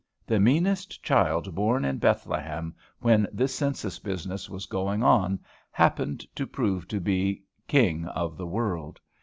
The meanest child born in Bethlehem when this census business was going on happened to prove to be King of the World.